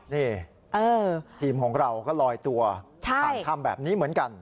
นี่ทีมของเราก็ลอยตัวผ่านถ้ำแบบนี้เหมือนกัน